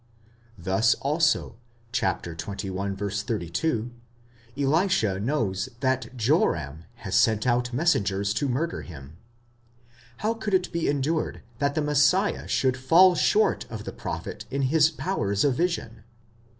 Thus also (xxi. 32), Elisha knows that Joram has sent out mes sengers to murder him. How could it be endured that the Messiah should fall short of the prophet in his powers of vision?